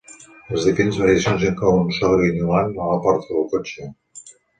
Les diferents variacions inclouen un so grinyolant a la porta del cotxe.